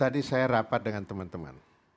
jadi saya rapat dengan teman teman